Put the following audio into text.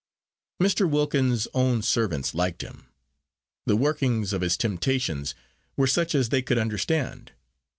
Mr. Wilkins's own servants liked him. The workings of his temptations were such as they could understand.